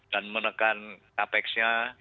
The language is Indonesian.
dan menekan capexnya